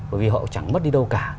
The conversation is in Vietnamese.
bởi vì họ chẳng mất đi đâu cả